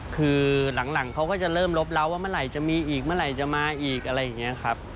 คือหลังเขาก็จะเริ่มลบแล้วว่าเมื่อไหร่จะมีอีกเมื่อไหร่จะมาอีกอะไรอย่างนี้ครับ